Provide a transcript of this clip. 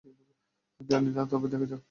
জানি না, তবে দেখা যাক।